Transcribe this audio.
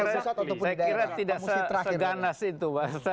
saya kira tidak mesti seganas itu